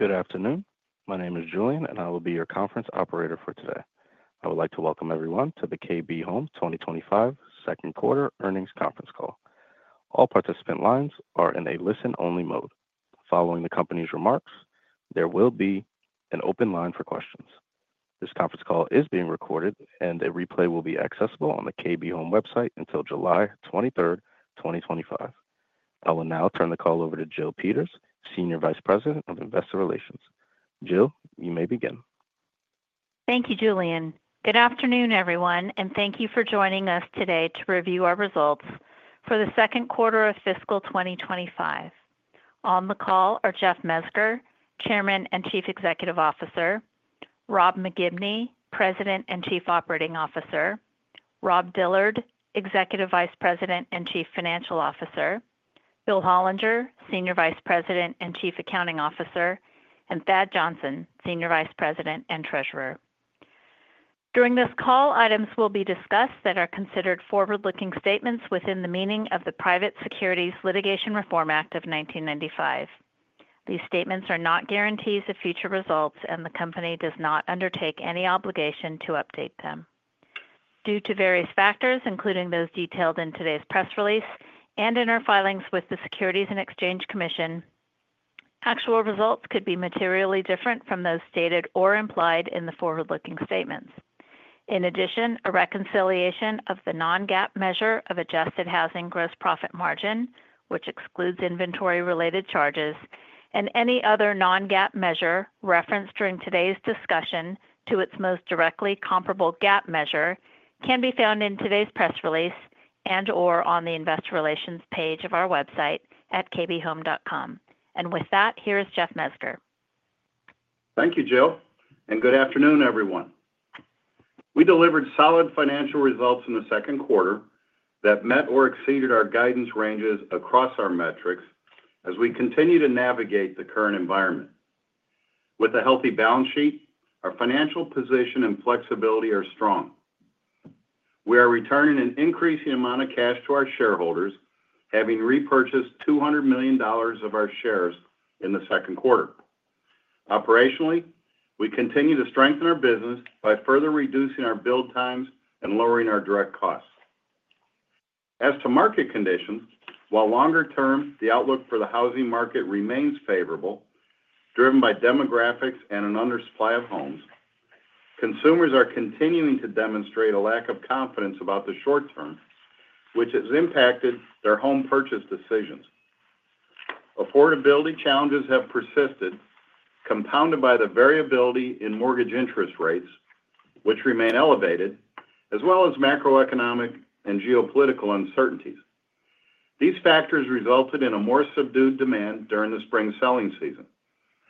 Good afternoon. My name is Julian, and I will be your conference operator for today. I would like to welcome everyone to the KB Home 2025 2nd quarter earnings conference call. All participant lines are in a listen-only mode. Following the company's remarks, there will be an open line for questions. This conference call is being recorded, and the replay will be accessible on the KB Home website until July 23rd, 2025. I will now turn the call over to Jill Peters, Senior Vice President of Investor Relations. Jill, you may begin. Thank you, Julian. Good afternoon, everyone, and thank you for joining us today to review our results for the 2nd quarter of fiscal 2025. On the call are Jeff Mezger, Chairman and Chief Executive Officer; Rob McGibney, President and Chief Operating Officer; Rob Dillard, Executive Vice President and Chief Financial Officer; Bill Hollinger, Senior Vice President and Chief Accounting Officer; and Thad Johnson, Senior Vice President and Treasurer. During this call, items will be discussed that are considered forward-looking statements within the meaning of the Private Securities Litigation Reform Act of 1995. These statements are not guarantees of future results, and the company does not undertake any obligation to update them. Due to various factors, including those detailed in today's press release and in our filings with the Securities and Exchange Commission, actual results could be materially different from those stated or implied in the forward-looking statements. In addition, a reconciliation of the non-GAAP measure of adjusted housing gross profit margin, which excludes inventory-related charges, and any other non-GAAP measure referenced during today's discussion to its most directly comparable GAAP measure can be found in today's press release and/or on the Investor Relations page of our website at kbhome.com. With that, here is Jeff Mezger. Thank you, Jill, and good afternoon, everyone. We delivered solid financial results in the 2nd quarter that met or exceeded our guidance ranges across our metrics as we continue to navigate the current environment. With a healthy balance sheet, our financial position and flexibility are strong. We are returning an increasing amount of cash to our shareholders, having repurchased $200 million of our shares in the 2nd quarter. Operationally, we continue to strengthen our business by further reducing our build times and lowering our direct costs. As to market conditions, while longer-term, the outlook for the housing market remains favorable, driven by demographics and an undersupply of homes, consumers are continuing to demonstrate a lack of confidence about the short term, which has impacted their home purchase decisions. Affordability challenges have persisted, compounded by the variability in mortgage interest rates, which remain elevated, as well as macroeconomic and geopolitical uncertainties. These factors resulted in a more subdued demand during the spring selling season.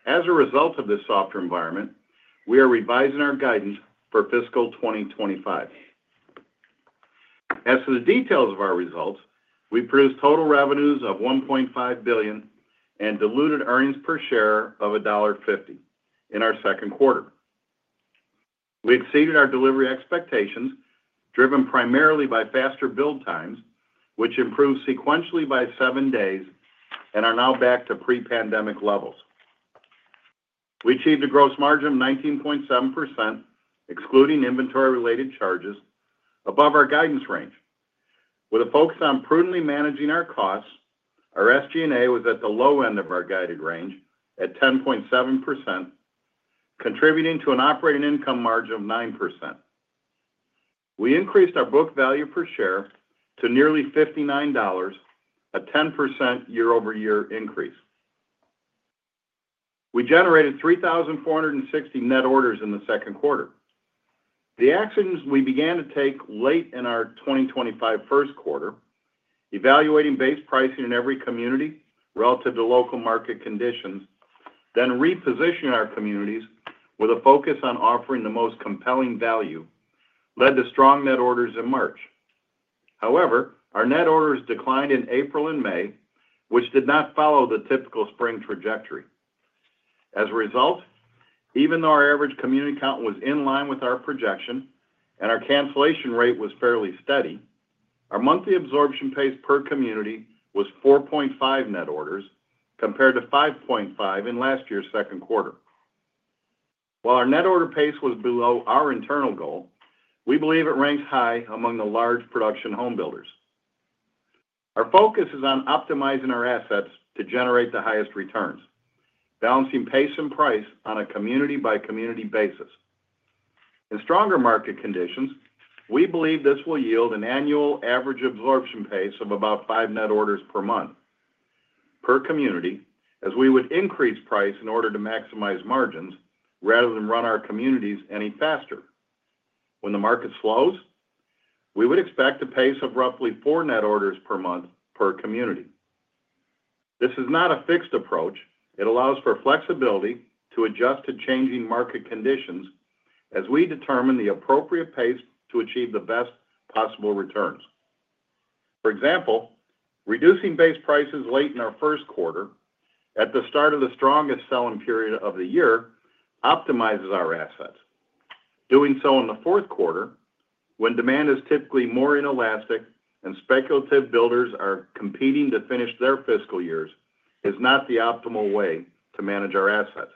As a result of this softer environment, we are revising our guidance for fiscal 2025. As to the details of our results, we produced total revenues of $1.5 billion and diluted earnings per share of $1.50 in our 2nd quarter. We exceeded our delivery expectations, driven primarily by faster build times, which improved sequentially by seven days and are now back to pre-pandemic levels. We achieved a gross margin of 19.7%, excluding inventory-related charges, above our guidance range. With a focus on prudently managing our costs, our SG&A was at the low end of our guided range at 10.7%, contributing to an operating income margin of 9%. We increased our book value per share to nearly $59, a 10% year-over-year increase. We generated 3,460 net orders in the second quarter. The actions we began to take late in our 2025 1st quarter, evaluating base pricing in every community relative to local market conditions, then repositioning our communities with a focus on offering the most compelling value, led to strong net orders in March. However, our net orders declined in April and May, which did not follow the typical spring trajectory. As a result, even though our average community count was in line with our projection and our cancellation rate was fairly steady, our monthly absorption pace per community was 4.5 net orders, compared to 5.5 in last year's second quarter. While our net order pace was below our internal goal, we believe it ranks high among the large production home builders. Our focus is on optimizing our assets to generate the highest returns, balancing pace and price on a community-by-community basis. In stronger market conditions, we believe this will yield an annual average absorption pace of about five net orders per month per community, as we would increase price in order to maximize margins rather than run our communities any faster. When the market slows, we would expect a pace of roughly four net orders per month per community. This is not a fixed approach. It allows for flexibility to adjust to changing market conditions as we determine the appropriate pace to achieve the best possible returns. For example, reducing base prices late in our 1st quarter at the start of the strongest selling period of the year optimizes our assets. Doing so in the 4th quarter, when demand is typically more inelastic and speculative builders are competing to finish their fiscal years, is not the optimal way to manage our assets.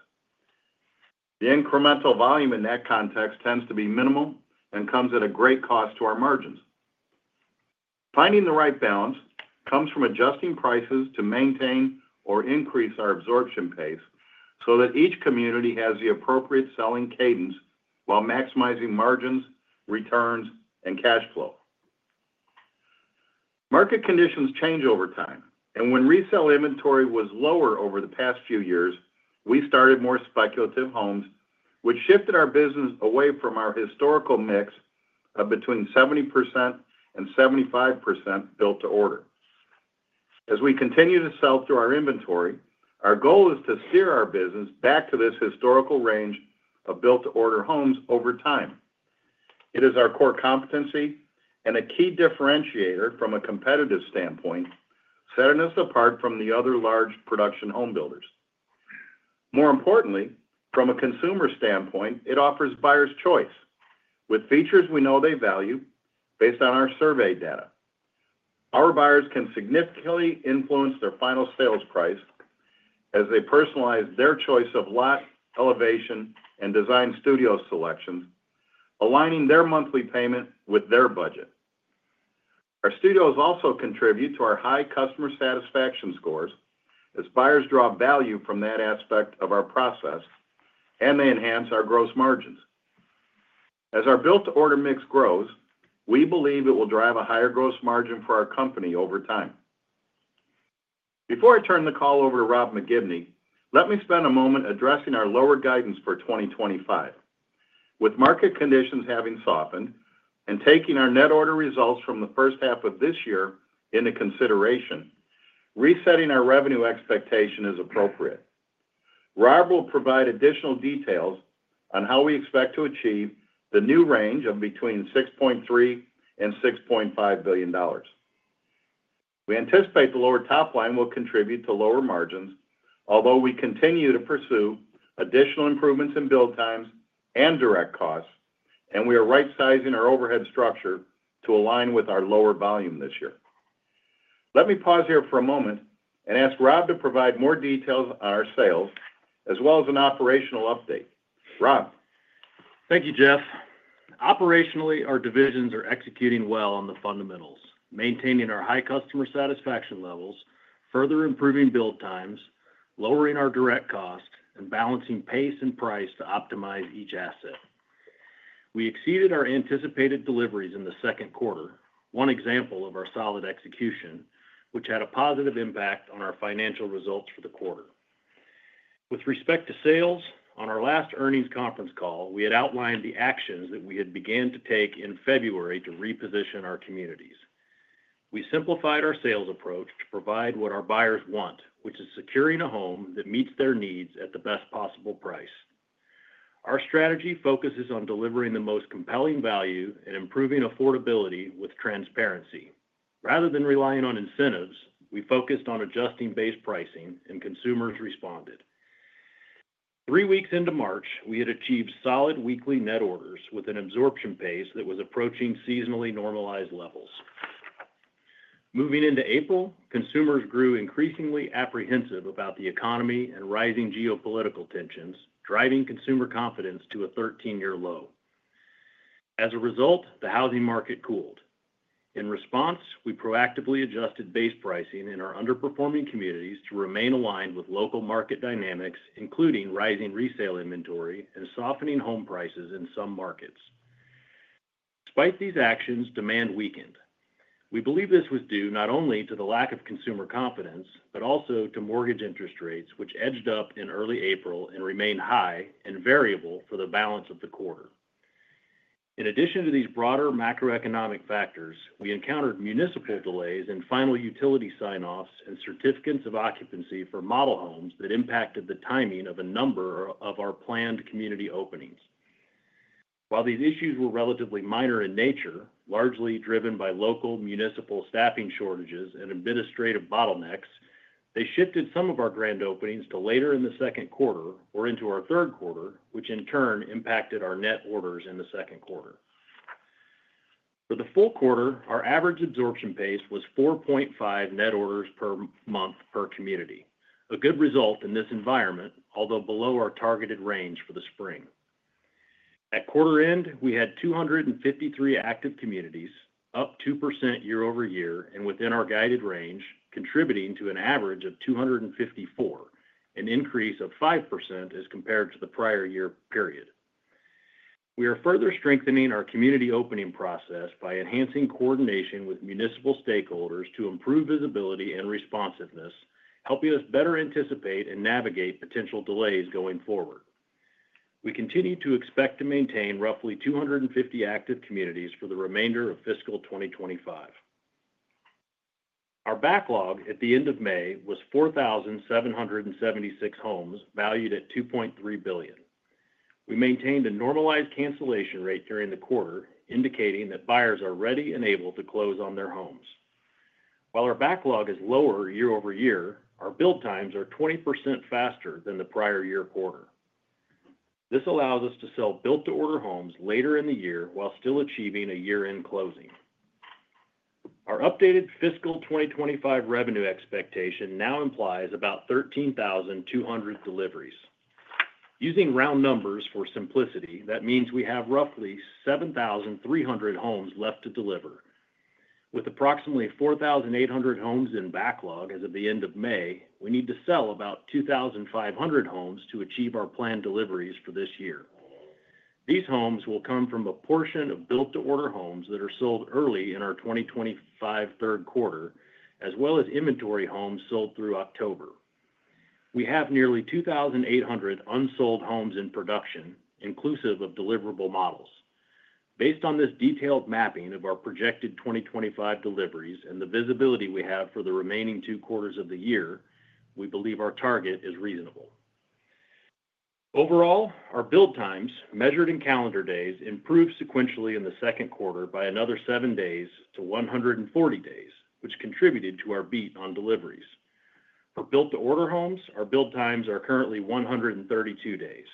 The incremental volume in that context tends to be minimal and comes at a great cost to our margins. Finding the right balance comes from adjusting prices to maintain or increase our absorption pace so that each community has the appropriate selling cadence while maximizing margins, returns, and cash flow. Market conditions change over time, and when resale inventory was lower over the past few years, we started more speculative homes, which shifted our business away from our historical mix of between 70% and 75% built-to-order. As we continue to sell through our inventory, our goal is to steer our business back to this historical range of built-to-order homes over time. It is our core competency and a key differentiator from a competitive standpoint, setting us apart from the other large production home builders. More importantly, from a consumer standpoint, it offers buyers' choice with features we know they value based on our survey data. Our buyers can significantly influence their final sales price as they personalize their choice of lot, elevation, and design studio selections, aligning their monthly payment with their budget. Our studios also contribute to our high customer satisfaction scores as buyers draw value from that aspect of our process, and they enhance our gross margins. As our built-to-order mix grows, we believe it will drive a higher gross margin for our company over time. Before I turn the call over to Rob McGibney, let me spend a moment addressing our lower guidance for 2025. With market conditions having softened and taking our net order results from the 1st half of this year into consideration, resetting our revenue expectation is appropriate. Rob will provide additional details on how we expect to achieve the new range of between $6.3 billion and $6.5 billion. We anticipate the lower top line will contribute to lower margins, although we continue to pursue additional improvements in build times and direct costs, and we are right-sizing our overhead structure to align with our lower volume this year. Let me pause here for a moment and ask Rob to provide more details on our sales, as well as an operational update. Rob. Thank you, Jeff. Operationally, our divisions are executing well on the fundamentals, maintaining our high customer satisfaction levels, further improving build times, lowering our direct cost, and balancing pace and price to optimize each asset. We exceeded our anticipated deliveries in the second quarter, one example of our solid execution, which had a positive impact on our financial results for the quarter. With respect to sales, on our last earnings conference call, we had outlined the actions that we had begun to take in February to reposition our communities. We simplified our sales approach to provide what our buyers want, which is securing a home that meets their needs at the best possible price. Our strategy focuses on delivering the most compelling value and improving affordability with transparency. Rather than relying on incentives, we focused on adjusting base pricing, and consumers responded. Three weeks into March, we had achieved solid weekly net orders with an absorption pace that was approaching seasonally normalized levels. Moving into April, consumers grew increasingly apprehensive about the economy and rising geopolitical tensions, driving consumer confidence to a 13-year low. As a result, the housing market cooled. In response, we proactively adjusted base pricing in our underperforming communities to remain aligned with local market dynamics, including rising resale inventory and softening home prices in some markets. Despite these actions, demand weakened. We believe this was due not only to the lack of consumer confidence, but also to mortgage interest rates, which edged up in early April and remained high and variable for the balance of the quarter. In addition to these broader macroeconomic factors, we encountered municipal delays in final utility sign-offs and certificates of occupancy for model homes that impacted the timing of a number of our planned community openings. While these issues were relatively minor in nature, largely driven by local municipal staffing shortages and administrative bottlenecks, they shifted some of our grand openings to later in the 2nd quarter or into our 3rd quarter, which in turn impacted our net orders in the 2nd quarter. For the full quarter, our average absorption pace was 4.5 net orders per month per community, a good result in this environment, although below our targeted range for the spring. At quarter end, we had 253 active communities, up 2% year-over-year and within our guided range, contributing to an average of 254, an increase of 5% as compared to the prior year period. We are further strengthening our community opening process by enhancing coordination with municipal stakeholders to improve visibility and responsiveness, helping us better anticipate and navigate potential delays going forward. We continue to expect to maintain roughly 250 active communities for the remainder of fiscal 2025. Our backlog at the end of May was 4,776 homes valued at $2.3 billion. We maintained a normalized cancellation rate during the quarter, indicating that buyers are ready and able to close on their homes. While our backlog is lower year-over-year, our build times are 20% faster than the prior year quarter. This allows us to sell built-to-order homes later in the year while still achieving a year-end closing. Our updated fiscal 2025 revenue expectation now implies about 13,200 deliveries. Using round numbers for simplicity, that means we have roughly 7,300 homes left to deliver. With approximately 4,800 homes in backlog as of the end of May, we need to sell about 2,500 homes to achieve our planned deliveries for this year. These homes will come from a portion of built-to-order homes that are sold early in our 2025 3rd quarter, as well as inventory homes sold through October. We have nearly 2,800 unsold homes in production, inclusive of deliverable models. Based on this detailed mapping of our projected 2025 deliveries and the visibility we have for the remaining two quarters of the year, we believe our target is reasonable. Overall, our build times, measured in calendar days, improved sequentially in the second quarter by another seven days to 140 days, which contributed to our beat on deliveries. For built-to-order homes, our build times are currently 132 days.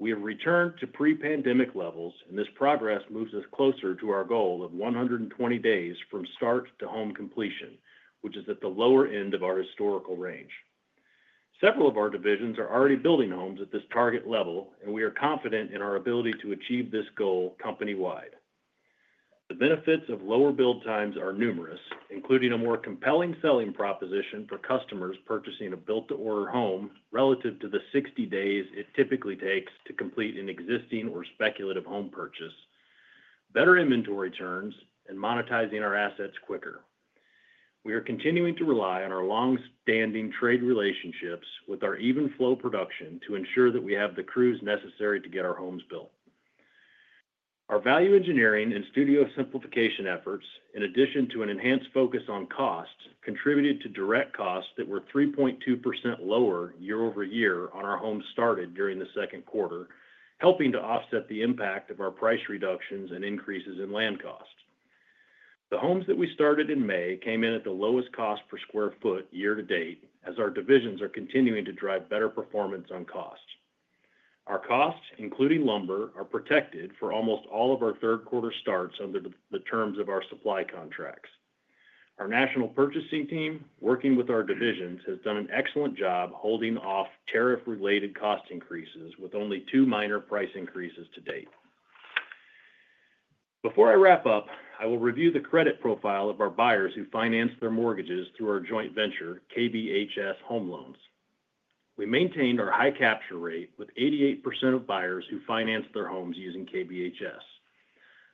We have returned to pre-pandemic levels, and this progress moves us closer to our goal of 120 days from start to home completion, which is at the lower end of our historical range. Several of our divisions are already building homes at this target level, and we are confident in our ability to achieve this goal company-wide. The benefits of lower build times are numerous, including a more compelling selling proposition for customers purchasing a built-to-order home relative to the 60 days it typically takes to complete an existing or speculative home purchase, better inventory turns, and monetizing our assets quicker. We are continuing to rely on our long-standing trade relationships with our even-flow production to ensure that we have the crews necessary to get our homes built. Our value engineering and studio simplification efforts, in addition to an enhanced focus on cost, contributed to direct costs that were 3.2% lower year-over-year on our homes started during the 2nd quarter, helping to offset the impact of our price reductions and increases in land cost. The homes that we started in May came in at the lowest cost per sq ft year-to-date, as our divisions are continuing to drive better performance on cost. Our costs, including lumber, are protected for almost all of our third-quarter starts under the terms of our supply contracts. Our national purchasing team, working with our divisions, has done an excellent job holding off tariff-related cost increases with only two minor price increases to date. Before I wrap up, I will review the credit profile of our buyers who financed their mortgages through our joint venture, KBHS Home Loans. We maintained our high capture rate with 88% of buyers who financed their homes using KBHS.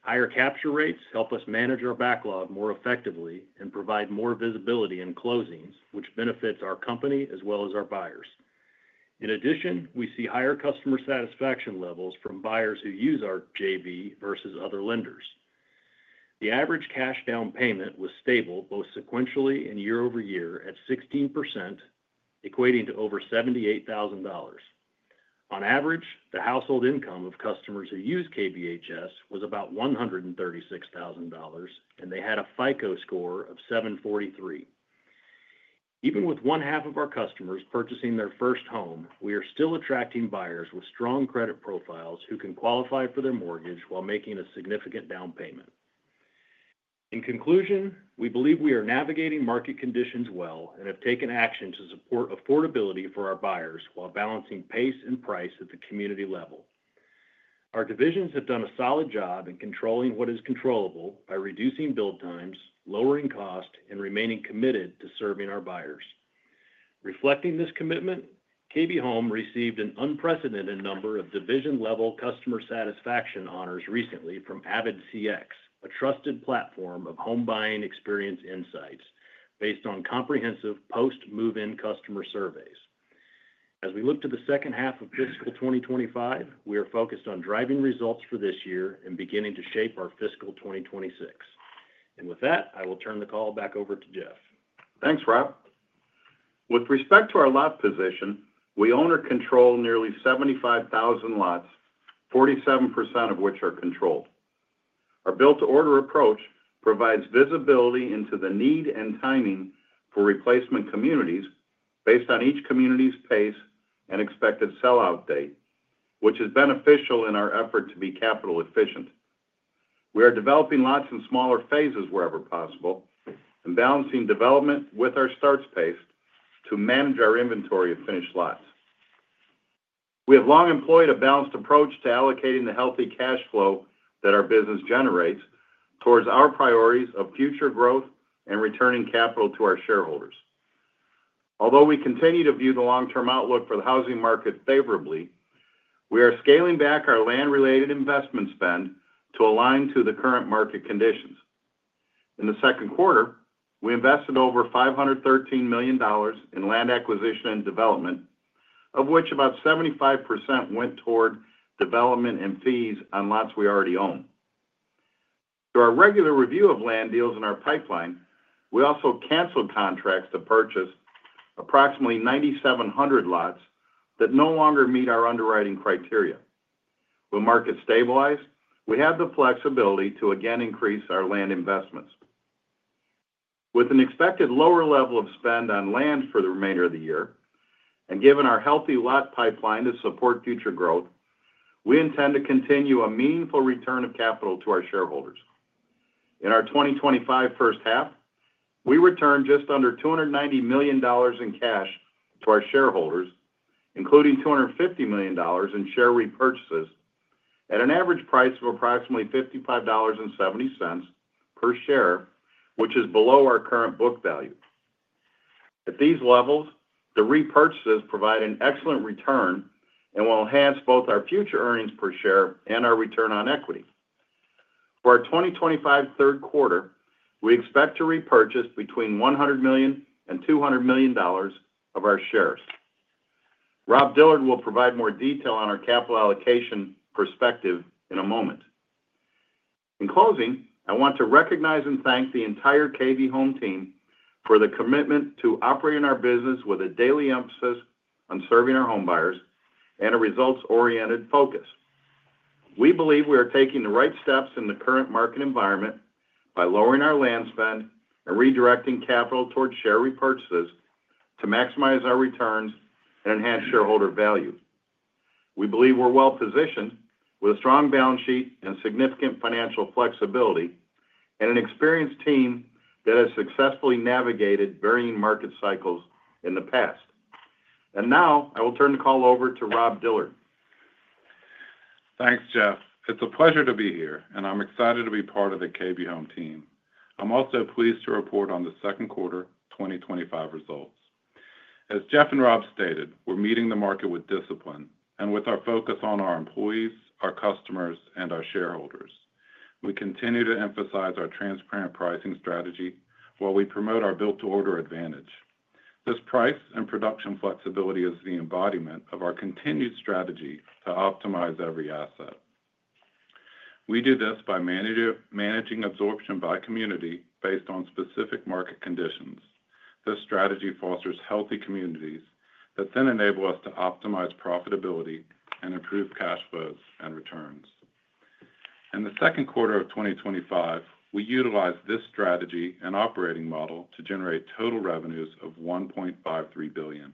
Higher capture rates help us manage our backlog more effectively and provide more visibility in closings, which benefits our company as well as our buyers. In addition, we see higher customer satisfaction levels from buyers who use KBHS versus other lenders. The average cash-down payment was stable both sequentially and year-over-year at 16%, equating to over $78,000. On average, the household income of customers who use KBHS was about $136,000, and they had a FICO score of 743. Even with one half of our customers purchasing their first home, we are still attracting buyers with strong credit profiles who can qualify for their mortgage while making a significant down payment. In conclusion, we believe we are navigating market conditions well and have taken action to support affordability for our buyers while balancing pace and price at the community level. Our divisions have done a solid job in controlling what is controllable by reducing build times, lowering cost, and remaining committed to serving our buyers. Reflecting this commitment, KB Home received an unprecedented number of division-level customer satisfaction honors recently from AvidCX, a trusted platform of home buying experience insights based on comprehensive post-move-in customer surveys. As we look to the 2nd half of fiscal 2025, we are focused on driving results for this year and beginning to shape our fiscal 2026. I will turn the call back over to Jeff. Thanks, Rob. With respect to our lot position, we own or control nearly 75,000 lots, 47% of which are controlled. Our built-to-order approach provides visibility into the need and timing for replacement communities based on each community's pace and expected sell-out date, which is beneficial in our effort to be capital efficient. We are developing lots in smaller phases wherever possible and balancing development with our starts pace to manage our inventory of finished lots. We have long employed a balanced approach to allocating the healthy cash flow that our business generates towards our priorities of future growth and returning capital to our shareholders. Although we continue to view the long-term outlook for the housing market favorably, we are scaling back our land-related investment spend to align to the current market conditions. In the 2nd quarter, we invested over $513 million in land acquisition and development, of which about 75% went toward development and fees on lots we already own. Through our regular review of land deals in our pipeline, we also canceled contracts to purchase approximately 9,700 lots that no longer meet our underwriting criteria. When market stabilized, we had the flexibility to again increase our land investments. With an expected lower level of spend on land for the remainder of the year, and given our healthy lot pipeline to support future growth, we intend to continue a meaningful return of capital to our shareholders. In our 2025 first half, we returned just under $290 million in cash to our shareholders, including $250 million in share repurchases at an average price of approximately $55.70 per share, which is below our current book value. At these levels, the repurchases provide an excellent return and will enhance both our future earnings per share and our return on equity. For our 2025 3rd quarter, we expect to repurchase between $100 million and $200 million of our shares. Rob Dillard will provide more detail on our capital allocation perspective in a moment. In closing, I want to recognize and thank the entire KB Home team for the commitment to operating our business with a daily emphasis on serving our homebuyers and a results-oriented focus. We believe we are taking the right steps in the current market environment by lowering our land spend and redirecting capital towards share repurchases to maximize our returns and enhance shareholder value. We believe we're well positioned with a strong balance sheet and significant financial flexibility and an experienced team that has successfully navigated varying market cycles in the past. I will turn the call over to Rob Dillard. Thanks, Jeff. It's a pleasure to be here, and I'm excited to be part of the KB Home team. I'm also pleased to report on the 2nd quarter 2025 results. As Jeff and Rob stated, we're meeting the market with discipline and with our focus on our employees, our customers, and our shareholders. We continue to emphasize our transparent pricing strategy while we promote our built-to-order advantage. This price and production flexibility is the embodiment of our continued strategy to optimize every asset. We do this by managing absorption by community based on specific market conditions. This strategy fosters healthy communities that then enable us to optimize profitability and improve cash flows and returns. In the second quarter of 2025, we utilized this strategy and operating model to generate total revenues of $1.53 billion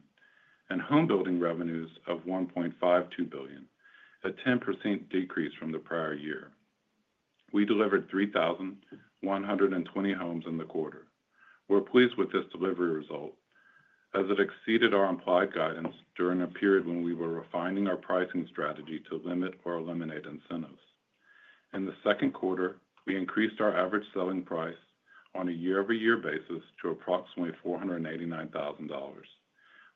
and home building revenues of $1.52 billion, a 10% decrease from the prior year. We delivered 3,120 homes in the quarter. We're pleased with this delivery result as it exceeded our implied guidance during a period when we were refining our pricing strategy to limit or eliminate incentives. In the second quarter, we increased our average selling price on a year-over-year basis to approximately $489,000.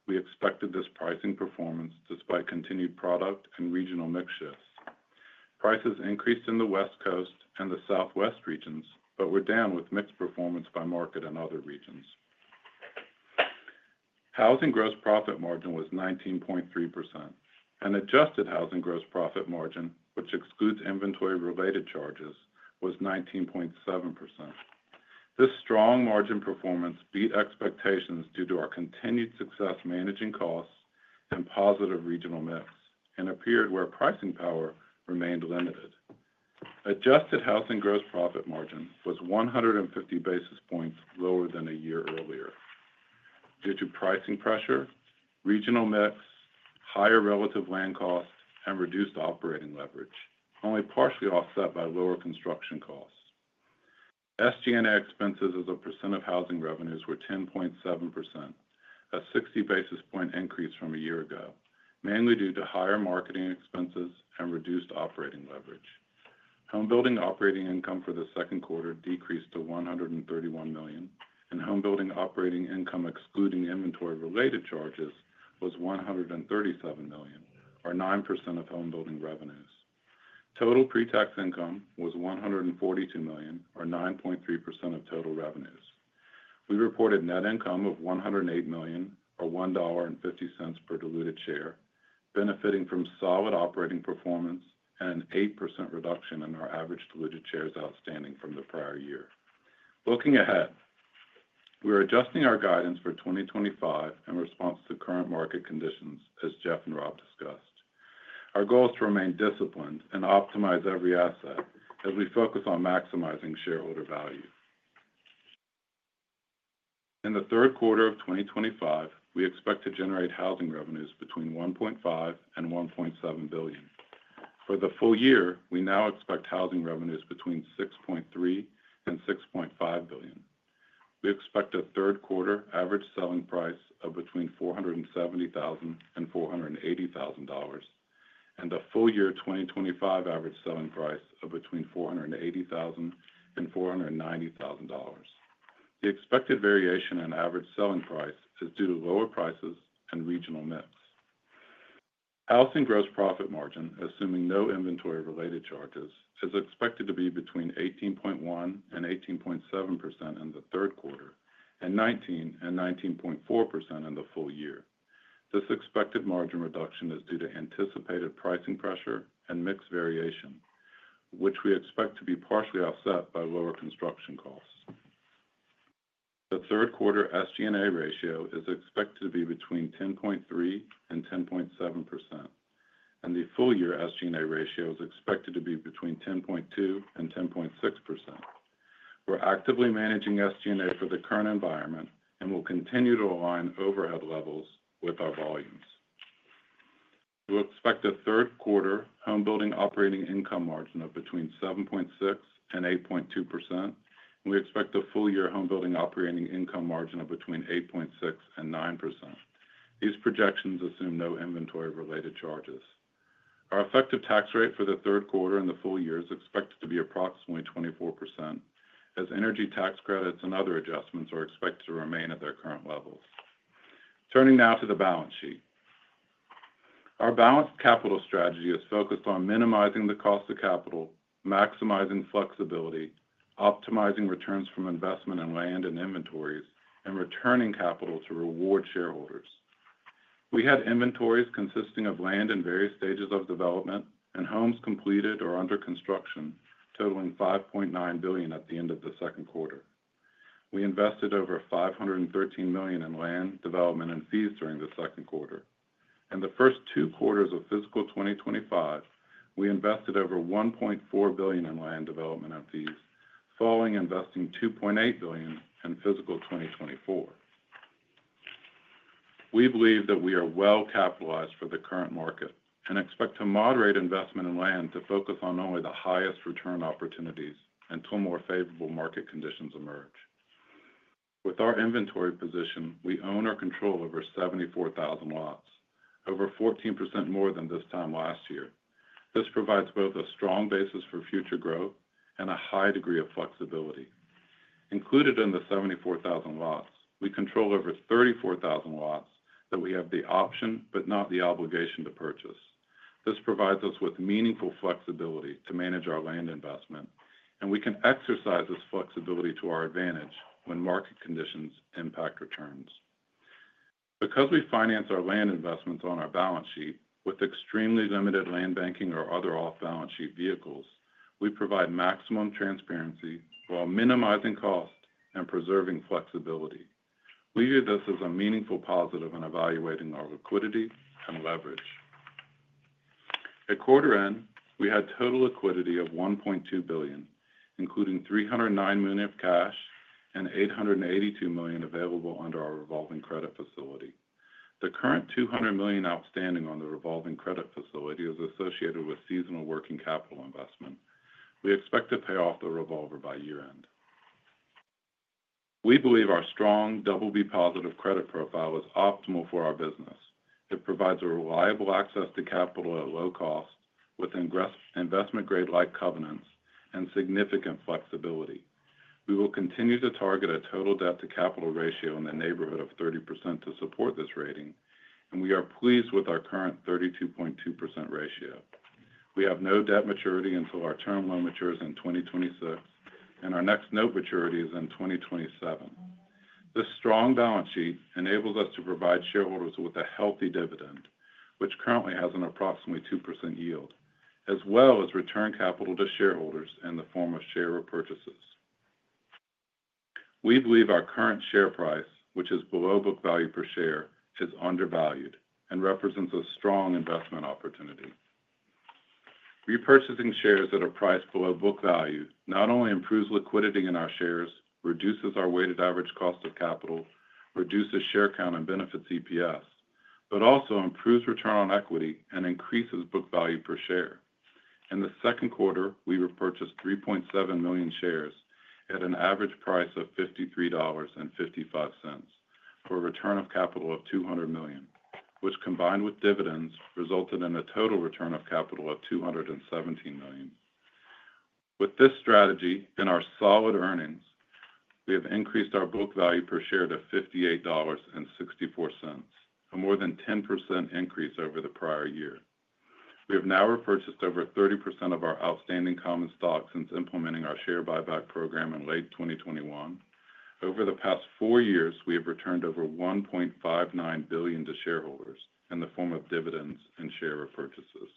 We expected this pricing performance despite continued product and regional mix shifts. Prices increased in the West Coast and the Southwest regions, but were down with mixed performance by market in other regions. Housing gross profit margin was 19.3%, and adjusted housing gross profit margin, which excludes inventory-related charges, was 19.7%. This strong margin performance beat expectations due to our continued success managing costs and positive regional mix and appeared where pricing power remained limited. Adjusted housing gross profit margin was 150 basis points lower than a year earlier. Due to pricing pressure, regional mix, higher relative land cost, and reduced operating leverage, only partially offset by lower construction costs. SG&A expenses as a percent of housing revenues were 10.7%, a 60 basis point increase from a year ago, mainly due to higher marketing expenses and reduced operating leverage. Home building operating income for the 2nd quarter decreased to $131 million, and home building operating income excluding inventory-related charges was $137 million, or 9% of home building revenues. Total pre-tax income was $142 million, or 9.3% of total revenues. We reported net income of $108 million, or $1.50 per diluted share, benefiting from solid operating performance and an 8% reduction in our average diluted shares outstanding from the prior year. Looking ahead, we are adjusting our guidance for 2025 in response to current market conditions, as Jeff and Rob discussed. Our goal is to remain disciplined and optimize every asset as we focus on maximizing shareholder value. In the 3rd quarter of 2025, we expect to generate housing revenues between $1.5 billion and $1.7 billion. For the full year, we now expect housing revenues between $6.3 billion and $6.5 billion. We expect a 3rd quarter average selling price of between $470,000 and $480,000 and a full year 2025 average selling price of between $480,000 and $490,000. The expected variation in average selling price is due to lower prices and regional mix. Housing gross profit margin, assuming no inventory-related charges, is expected to be between 18.1% and 18.7% in the 3rd quarter and 19% and 19.4% in the full year. This expected margin reduction is due to anticipated pricing pressure and mix variation, which we expect to be partially offset by lower construction costs. The 3rd quarter SG&A ratio is expected to be between 10.3-10.7%, and the full year SG&A ratio is expected to be between 10.2-10.6%. We're actively managing SG&A for the current environment and will continue to align overhead levels with our volumes. We expect a third quarter home building operating income margin of between 7.6-8.2%, and we expect a full year home building operating income margin of between 8.6-9%. These projections assume no inventory-related charges. Our effective tax rate for the 3rd quarter and the full year is expected to be approximately 24%, as energy tax credits and other adjustments are expected to remain at their current levels. Turning now to the balance sheet, our balanced capital strategy is focused on minimizing the cost of capital, maximizing flexibility, optimizing returns from investment in land and inventories, and returning capital to reward shareholders. We had inventories consisting of land in various stages of development and homes completed or under construction totaling $5.9 billion at the end of the 2nd quarter. We invested over $513 million in land development and fees during the second quarter. In the first two quarters of fiscal 2025, we invested over $1.4 billion in land development and fees, following investing $2.8 billion in fiscal 2024. We believe that we are well capitalized for the current market and expect to moderate investment in land to focus on only the highest return opportunities until more favorable market conditions emerge. With our inventory position, we own or control over 74,000 lots, over 14% more than this time last year. This provides both a strong basis for future growth and a high degree of flexibility. Included in the 74,000 lots, we control over 34,000 lots that we have the option but not the obligation to purchase. This provides us with meaningful flexibility to manage our land investment, and we can exercise this flexibility to our advantage when market conditions impact returns. Because we finance our land investments on our balance sheet with extremely limited land banking or other off-balance sheet vehicles, we provide maximum transparency while minimizing cost and preserving flexibility. We view this as a meaningful positive in evaluating our liquidity and leverage. At quarter end, we had total liquidity of $1.2 billion, including $309 million of cash and $882 million available under our revolving credit facility. The current $200 million outstanding on the revolving credit facility is associated with seasonal working capital investment. We expect to pay off the revolver by year-end. We believe our strong BB+ credit profile is optimal for our business. It provides reliable access to capital at low cost with investment-grade-like covenants and significant flexibility. We will continue to target a total debt-to-capital ratio in the neighborhood of 30% to support this rating, and we are pleased with our current 32.2% ratio. We have no debt maturity until our term loan matures in 2026, and our next note maturity is in 2027. This strong balance sheet enables us to provide shareholders with a healthy dividend, which currently has an approximately 2% yield, as well as return capital to shareholders in the form of share repurchases. We believe our current share price, which is below book value per share, is undervalued and represents a strong investment opportunity. Repurchasing shares at a price below book value not only improves liquidity in our shares, reduces our weighted average cost of capital, reduces share count and benefits EPS, but also improves return on equity and increases book value per share. In the 2nd quarter, we repurchased 3.7 million shares at an average price of $53.55 for a return of capital of $200 million, which combined with dividends resulted in a total return of capital of $217 million. With this strategy and our solid earnings, we have increased our book value per share to $58.64, a more than 10% increase over the prior year. We have now repurchased over 30% of our outstanding common stock since implementing our share buyback program in late 2021. Over the past four years, we have returned over $1.59 billion to shareholders in the form of dividends and share repurchases.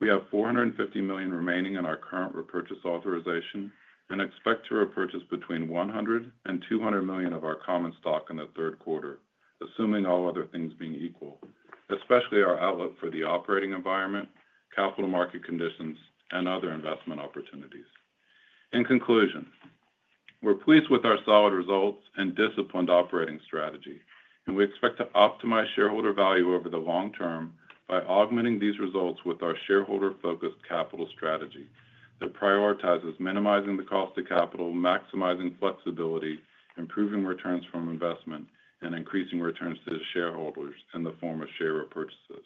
We have $450 million remaining in our current repurchase authorization and expect to repurchase between $100 and $200 million of our common stock in the 3rd quarter, assuming all other things being equal, especially our outlook for the operating environment, capital market conditions, and other investment opportunities. In conclusion, we're pleased with our solid results and disciplined operating strategy, and we expect to optimize shareholder value over the long term by augmenting these results with our shareholder-focused capital strategy that prioritizes minimizing the cost of capital, maximizing flexibility, improving returns from investment, and increasing returns to shareholders in the form of share repurchases.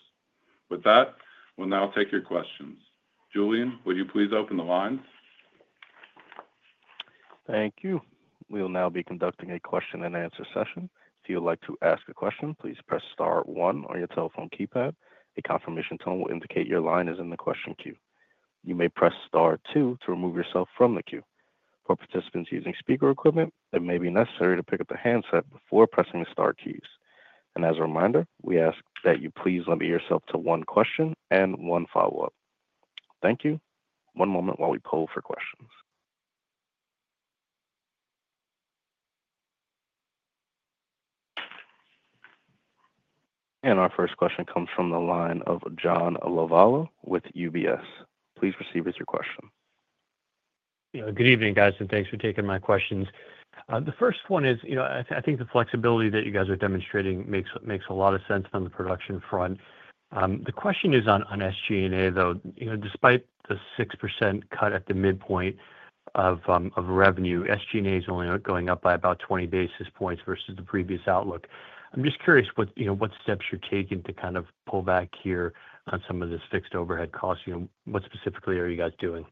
With that, we'll now take your questions. Julian, will you please open the lines? Thank you. We'll now be conducting a question-and-answer session. If you'd like to ask a question, please press star 1 on your telephone keypad. A confirmation tone will indicate your line is in the question queue. You may press star 2 to remove yourself from the queue. For participants using speaker equipment, it may be necessary to pick up the handset before pressing the Star keys. As a reminder, we ask that you please limit yourself to one question and one follow-up. Thank you. One moment while we poll for questions. Our 1st question comes from the line of John Lovallo with UBS. Please proceed with your question. Good evening, guys, and thanks for taking my questions. The first one is, you know, I think the flexibility that you guys are demonstrating makes a lot of sense from the production front. The question is on SG&A, though. Despite the 6% cut at the midpoint of revenue, SG&A is only going up by about 20 basis points versus the previous outlook. I'm just curious what steps you're taking to kind of pull back here on some of this fixed overhead cost. What specifically are you guys doing?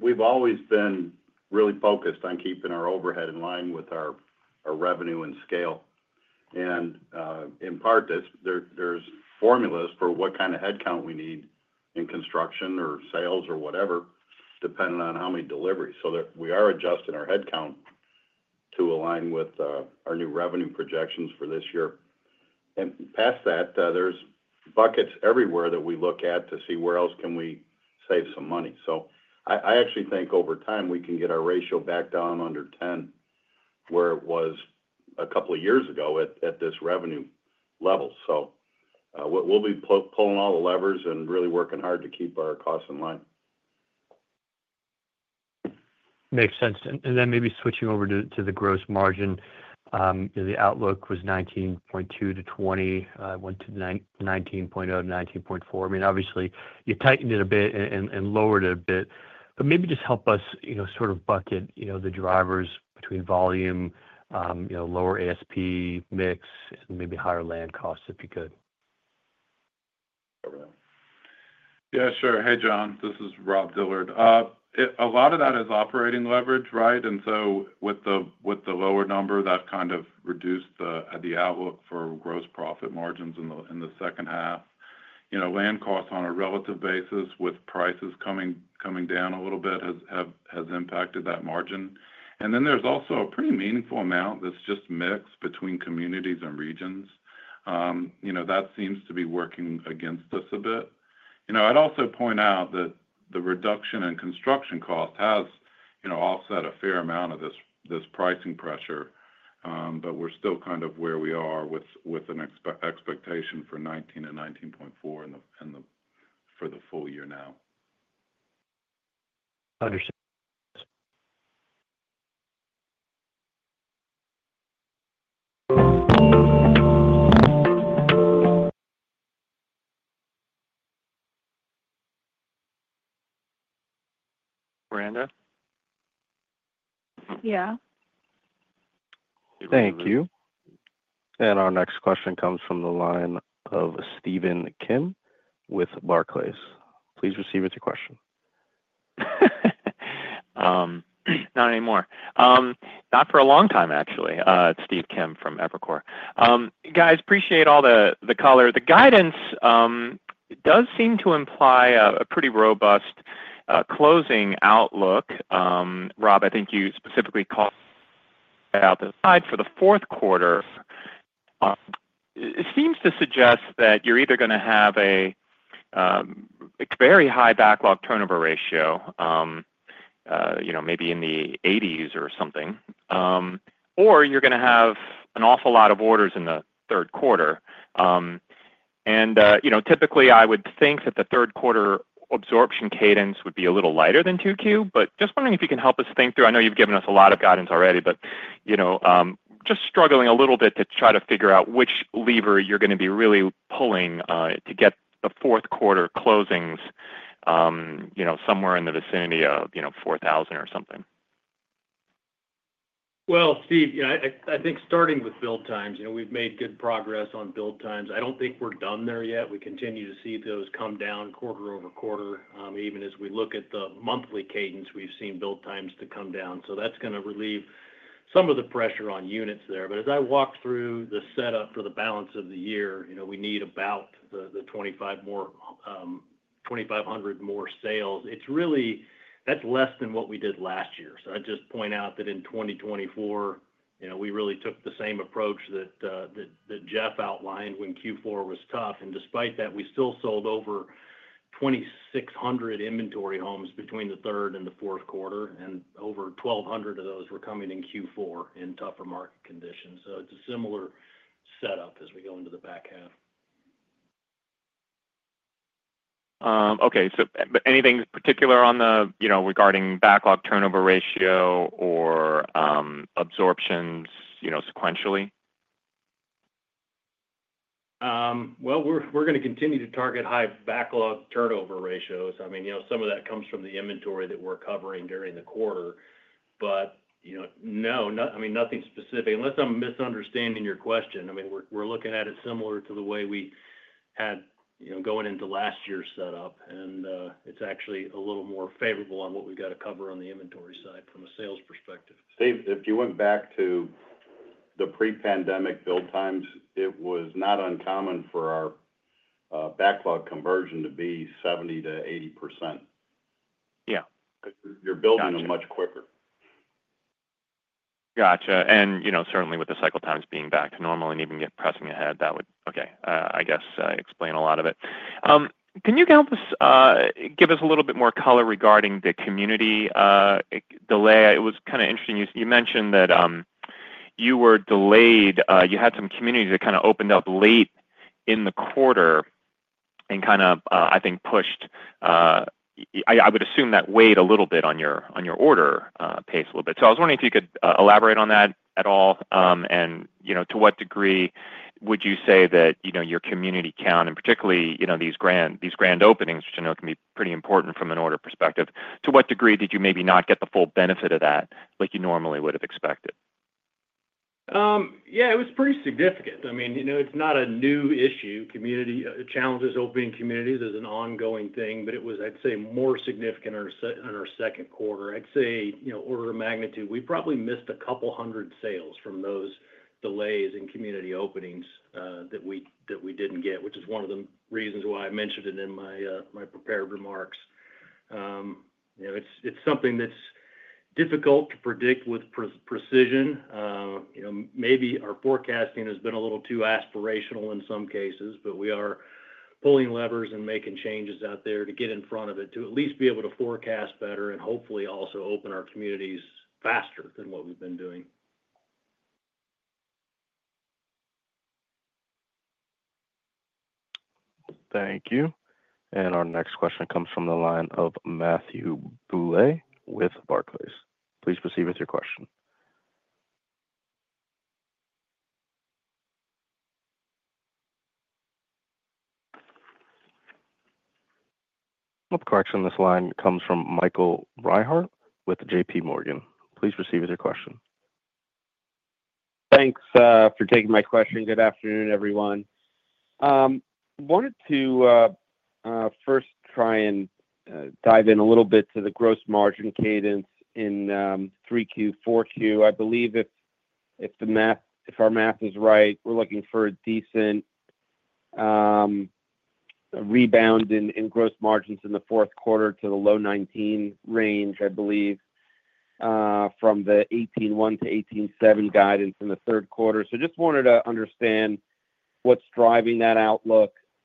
We've always been really focused on keeping our overhead in line with our revenue and scale. In part, there's formulas for what kind of headcount we need in construction or sales or whatever, depending on how many deliveries. We are adjusting our headcount to align with our new revenue projections for this year. Past that, there's buckets everywhere that we look at to see where else can we save some money. I actually think over time we can get our ratio back down under 10% where it was a couple of years ago at this revenue level. We'll be pulling all the levers and really working hard to keep our costs in line. Makes sense. And then maybe switching over to the gross margin, the outlook was 19.2-20, went to 19.0-19.4. I mean, obviously, you tightened it a bit and lowered it a bit, but maybe just help us sort of bucket the drivers between volume, lower ASP mix, and maybe higher land costs if you could. Yeah, sure. Hey, John, this is Rob Dillard. A lot of that is operating leverage, right? With the lower number, that kind of reduced the outlook for gross profit margins in the second half. Land costs on a relative basis with prices coming down a little bit has impacted that margin. There is also a pretty meaningful amount that is just mixed between communities and regions. That seems to be working against us a bit. I would also point out that the reduction in construction cost has offset a fair amount of this pricing pressure, but we are still kind of where we are with an expectation for 19% and 19.4% for the full year now. Understood. Brenda? Yeah. Thank you. Our next question comes from the line of Stephen Kim with Barclays. Please proceed with your question. Not anymore. Not for a long time, actually. Steve Kim from Evercore. Guys, appreciate all the color. The guidance does seem to imply a pretty robust closing outlook. Rob, I think you specifically called out the slide for the 4th quarter. It seems to suggest that you're either going to have a very high backlog turnover ratio, maybe in the 80s or something, or you're going to have an awful lot of orders in the 3rd quarter. Typically, I would think that the third quarter absorption cadence would be a little lighter than 2Q, but just wondering if you can help us think through. I know you've given us a lot of guidance already, but just struggling a little bit to try to figure out which lever you're going to be really pulling to get the fourth quarter closings somewhere in the vicinity of 4,000 or something. Steve, I think starting with build times, we've made good progress on build times. I don't think we're done there yet. We continue to see those come down quarter-over-quarter, even as we look at the monthly cadence, we've seen build times come down. That is going to relieve some of the pressure on units there. As I walk through the setup for the balance of the year, we need about 2,500 more sales. That is less than what we did last year. I would just point out that in 2024, we really took the same approach that Jeff outlined when Q4 was tough. Despite that, we still sold over 2,600 inventory homes between the third and the fourth quarter, and over 1,200 of those were coming in Q4 in tougher market conditions. It is a similar setup as we go into the back half. Okay. So anything particular regarding backlog turnover ratio or absorptions sequentially? We're going to continue to target high backlog turnover ratios. I mean, some of that comes from the inventory that we're covering during the quarter. No, I mean, nothing specific, unless I'm misunderstanding your question. I mean, we're looking at it similar to the way we had going into last year's setup, and it's actually a little more favorable on what we've got to cover on the inventory side from a sales perspective. Steve, if you went back to the pre-pandemic build times, it was not uncommon for our backlog conversion to be 70%-80%. Yeah. Because you're building them much quicker. Gotcha. And certainly, with the cycle times being back to normal and even pressing ahead, that would, okay, I guess explain a lot of it. Can you give us a little bit more color regarding the community delay? It was kind of interesting. You mentioned that you were delayed. You had some communities that kind of opened up late in the quarter and kind of, I think, pushed. I would assume that weighed a little bit on your order pace a little bit. I was wondering if you could elaborate on that at all, and to what degree would you say that your community count, and particularly these grand openings, which I know can be pretty important from an order perspective, to what degree did you maybe not get the full benefit of that like you normally would have expected? Yeah, it was pretty significant. I mean, it's not a new issue. Community challenges opening communities is an ongoing thing, but it was, I'd say, more significant in our 2nd quarter. I'd say order of magnitude, we probably missed a couple hundred sales from those delays in community openings that we didn't get, which is one of the reasons why I mentioned it in my prepared remarks. It's something that's difficult to predict with precision. Maybe our forecasting has been a little too aspirational in some cases, but we are pulling levers and making changes out there to get in front of it, to at least be able to forecast better and hopefully also open our communities faster than what we've been doing. Thank you. Our next question comes from the line of Michael Rehaut with JPMorgan. Please proceed with your question. Thanks for taking my question. Good afternoon, everyone. Wanted to first try and dive in a little bit to the gross margin cadence in 3Q, 4Q. I believe if our math is right, we're looking for a decent rebound in gross margins in the fourth quarter to the low 19% range, I believe, from the 18.1%-18.7% guidance in the 3rd quarter. Just wanted to understand what's driving that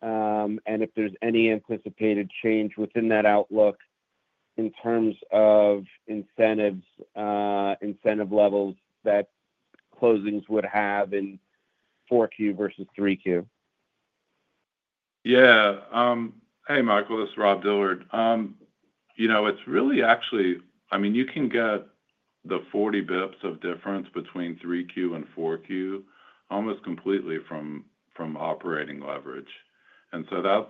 outlook and if there's any anticipated change within that outlook in terms of incentive levels that closings would have in 4Q versus 3Q. Yeah. Hey, Michael, this is Rob Dillard. It's really actually, I mean, you can get the 40 basis points of difference between 3Q and 4Q almost completely from operating leverage.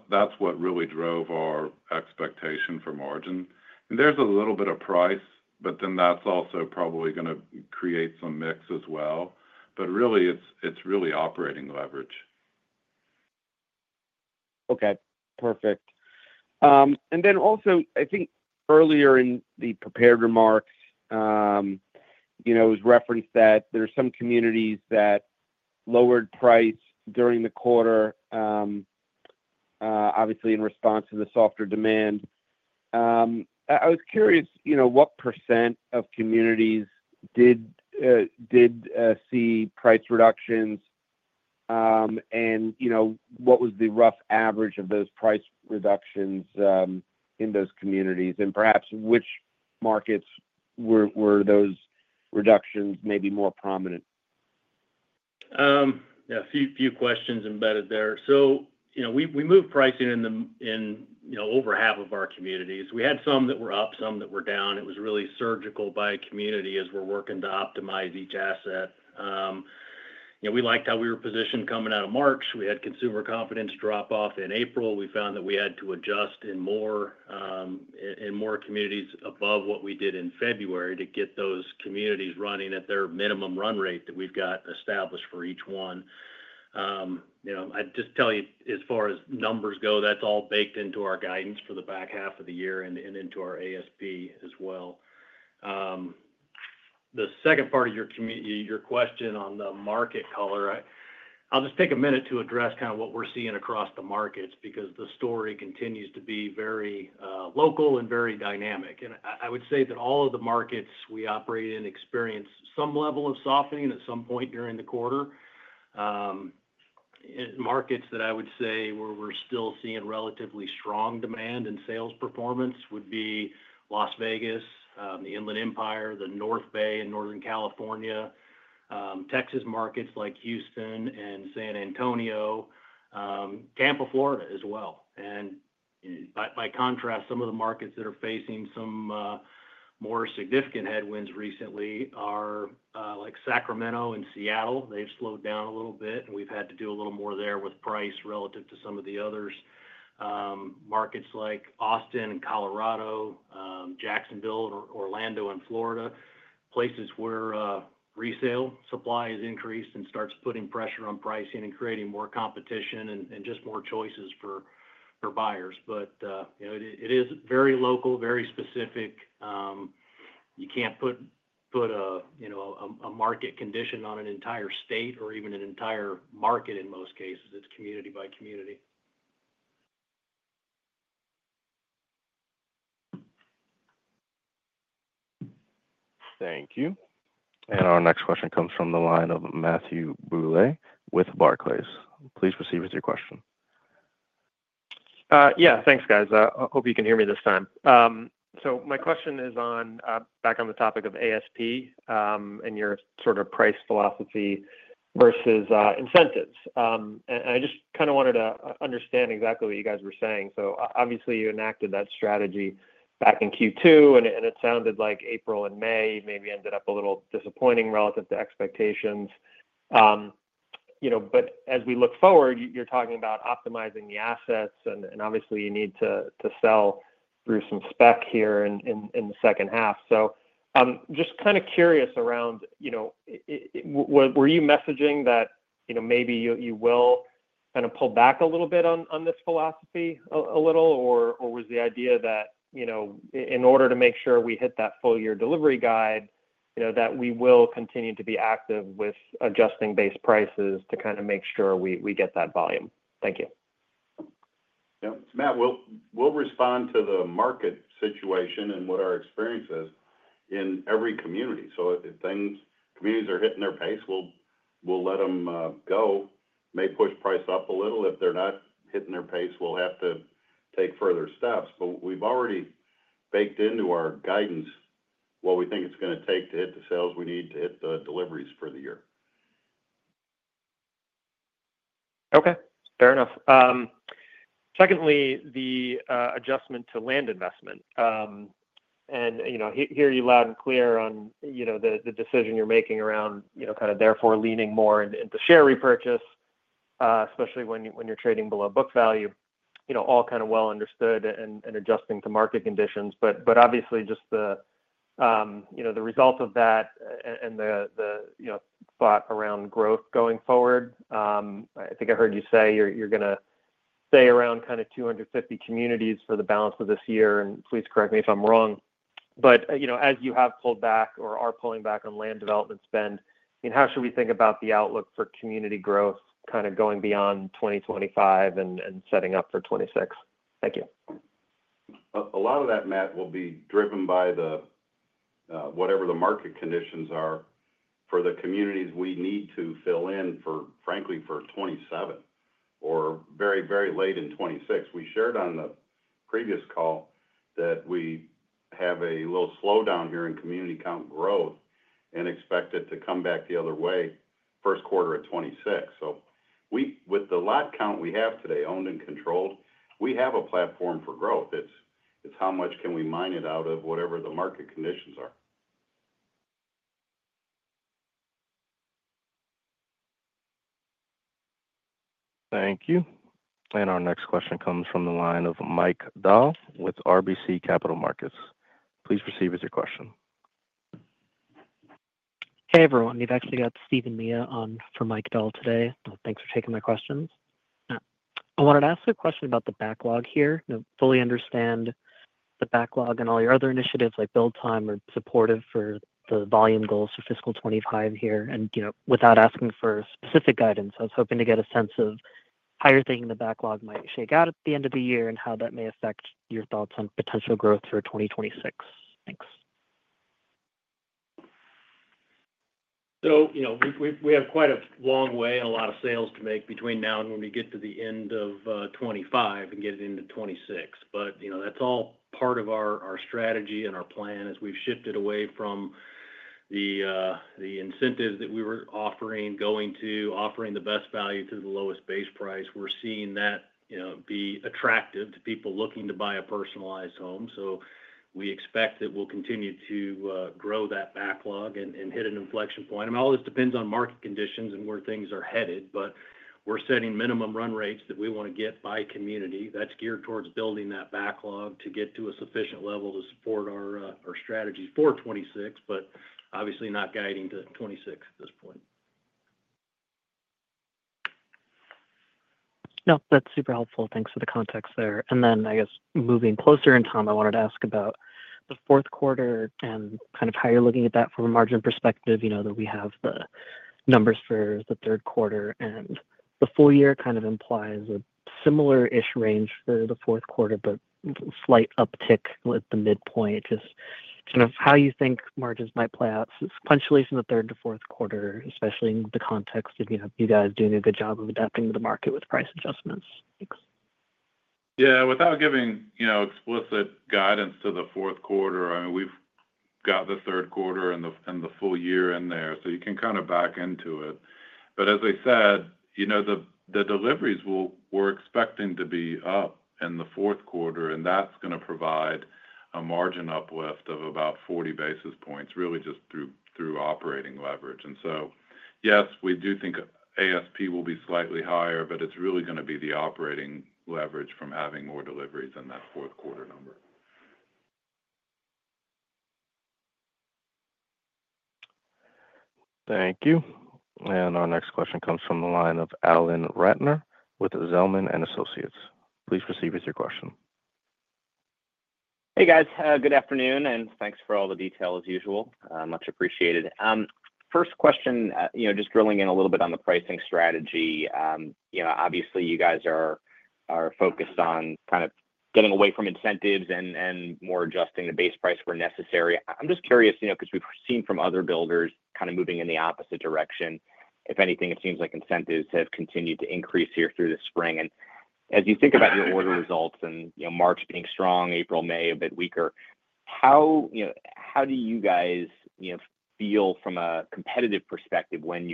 That's what really drove our expectation for margin. There's a little bit of price, but then that's also probably going to create some mix as well. Really, it's really operating leverage. Okay. Perfect. Also, I think earlier in the prepared remarks, it was referenced that there are some communities that lowered price during the quarter, obviously in response to the softer demand. I was curious what % of communities did see price reductions and what was the rough average of those price reductions in those communities, and perhaps which markets were those reductions maybe more prominent? Yeah, a few questions embedded there. We moved pricing in over half of our communities. We had some that were up, some that were down. It was really surgical by community as we're working to optimize each asset. We liked how we were positioned coming out of March. We had consumer confidence drop off in April. We found that we had to adjust in more communities above what we did in February to get those communities running at their minimum run rate that we've got established for each one. I'd just tell you, as far as numbers go, that's all baked into our guidance for the back half of the year and into our ASP as well. The 2nd part of your question on the market color, I'll just take a minute to address kind of what we're seeing across the markets because the story continues to be very local and very dynamic. I would say that all of the markets we operate in experience some level of softening at some point during the quarter. Markets that I would say where we're still seeing relatively strong demand and sales performance would be Las Vegas, the Inland Empire, the North Bay in Northern California, Texas markets like Houston and San Antonio, Tampa, Florida as well. By contrast, some of the markets that are facing some more significant headwinds recently are like Sacramento and Seattle. They've slowed down a little bit, and we've had to do a little more there with price relative to some of the others. Markets like Austin and Colorado, Jacksonville, Orlando, and Florida, places where resale supply has increased and starts putting pressure on pricing and creating more competition and just more choices for buyers. It is very local, very specific. You can't put a market condition on an entire state or even an entire market in most cases. It's community by community. Thank you. Our next question comes from the line of Matthew Bouley with Barclays. Please proceed with your question. Yeah. Thanks, guys. I hope you can hear me this time. My question is back on the topic of ASP and your sort of price philosophy versus incentives. I just kind of wanted to understand exactly what you guys were saying. Obviously, you enacted that strategy back in Q2, and it sounded like April and May maybe ended up a little disappointing relative to expectations. As we look forward, you're talking about optimizing the assets, and obviously, you need to sell through some spec here in the second half. I'm just kind of curious around, were you messaging that maybe you will kind of pull back a little bit on this philosophy a little, or was the idea that in order to make sure we hit that full year delivery guide, that we will continue to be active with adjusting base prices to kind of make sure we get that volume? Thank you. Yeah. Matt, we'll respond to the market situation and what our experience is in every community. If communities are hitting their pace, we'll let them go. May push price up a little. If they're not hitting their pace, we'll have to take further steps. We've already baked into our guidance what we think it's going to take to hit the sales we need to hit the deliveries for the year. Okay. Fair enough. Secondly, the adjustment to land investment. I hear you loud and clear on the decision you're making around kind of therefore leaning more into share repurchase, especially when you're trading below book value, all kind of well understood and adjusting to market conditions. Obviously, just the result of that and the thought around growth going forward, I think I heard you say you're going to stay around kind of 250 communities for the balance of this year. Please correct me if I'm wrong. As you have pulled back or are pulling back on land development spend, how should we think about the outlook for community growth kind of going beyond 2025 and setting up for 2026? Thank you. A lot of that, Matt, will be driven by whatever the market conditions are for the communities we need to fill in, frankly, for 2027 or very, very late in 2026. We shared on the previous call that we have a little slowdown here in community count growth and expect it to come back the other way first quarter of 2026. With the lot count we have today, owned and controlled, we have a platform for growth. It's how much can we mine it out of whatever the market conditions are. Thank you. Our next question comes from the line of Mike Dahl with RBC Capital Markets. Please proceed with your question. Hey, everyone. We've actually got Stephen Mea on for Mike Dahl today. Thanks for taking my questions. I wanted to ask a question about the backlog here. I don't fully understand the backlog and all your other initiatives like build time are supportive for the volume goals for fiscal 2025 here. Without asking for specific guidance, I was hoping to get a sense of how you're thinking the backlog might shake out at the end of the year and how that may affect your thoughts on potential growth for 2026. Thanks. We have quite a long way and a lot of sales to make between now and when we get to the end of 2025 and get it into 2026. That is all part of our strategy and our plan as we have shifted away from the incentives that we were offering, going to offering the best value to the lowest base price. We are seeing that be attractive to people looking to buy a personalized home. We expect that we will continue to grow that backlog and hit an inflection point. I mean, all this depends on market conditions and where things are headed. We are setting minimum run rates that we want to get by community. That is geared towards building that backlog to get to a sufficient level to support our strategy for 2026, but obviously not guiding to 2026 at this point. No, that's super helpful. Thanks for the context there. I guess, moving closer in time, I wanted to ask about the fourth quarter and kind of how you're looking at that from a margin perspective that we have the numbers for the third quarter. The full year kind of implies a similar-ish range for the fourth quarter, but slight uptick with the midpoint. Just kind of how you think margins might play out sequentially from the third to fourth quarter, especially in the context of you guys doing a good job of adapting to the market with price adjustments. Thanks. Yeah. Without giving explicit guidance to the fourth quarter, I mean, we've got the third quarter and the full year in there, so you can kind of back into it. But as I said, the deliveries we're expecting to be up in the 4th quarter, and that's going to provide a margin uplift of about 40 basis points, really just through operating leverage. Yes, we do think ASP will be slightly higher, but it's really going to be the operating leverage from having more deliveries in that fourth quarter number. Thank you. Our next question comes from the line of Alan Ratner with Zelman & Associates. Please proceed with your question. Hey, guys. Good afternoon, and thanks for all the detail as usual. Much appreciated. 1st question, just drilling in a little bit on the pricing strategy. Obviously, you guys are focused on kind of getting away from incentives and more adjusting the base price where necessary. I'm just curious because we've seen from other builders kind of moving in the opposite direction. If anything, it seems like incentives have continued to increase here through the spring. As you think about your order results and March being strong, April, May a bit weaker, how do you guys feel from a competitive perspective when